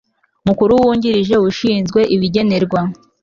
Mukuru Wungirije ushinzwe ibigenerwa